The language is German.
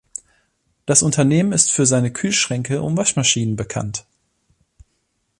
Das Unternehmen ist für seine Kühlschränke und Waschmaschinen bekannt.